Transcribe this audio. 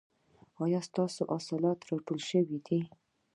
ایا ستاسو حاصلات راټول شوي دي؟